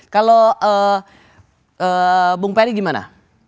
kalau bung peri gimana